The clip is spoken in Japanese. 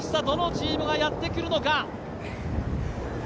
どのチームがやってくるのか。